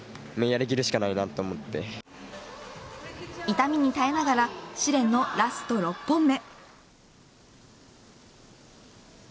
痛みに耐えながら試練のラスト６本目。